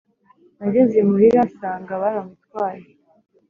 Nageze imuhira sanga baramutwaye